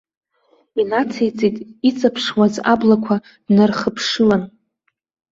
Инациҵеит, иҵаԥшуаз аблақәа днархыԥшылан.